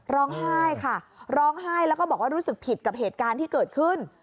ร้องไห้ค่ะร้องไห้แล้วก็บอกว่ารู้สึกผิดกับเหตุการณ์ที่เกิดขึ้น